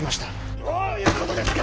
どういう事ですか！？